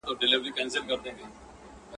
تمه نه وه د پاچا له عدالته.